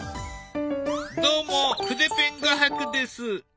どうも筆ペン画伯です。